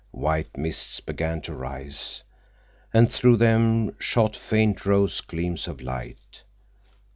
White mists began to rise, and through them shot faint rose gleams of light.